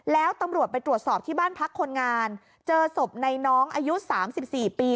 แล้วตำรวจไปตรวจสอบที่บ้านพักคนงานเจอศพในน้องอายุ๓๔ปี